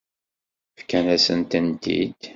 Fkan-asent-tent-id.